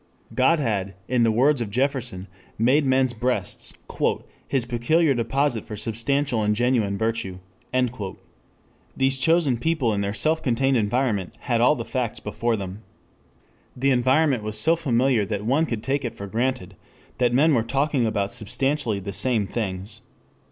God had, in the words of Jefferson, made men's breasts "His peculiar deposit for substantial and genuine virtue." These chosen people in their self contained environment had all the facts before them. The environment was so familiar that one could take it for granted that men were talking about substantially the same things.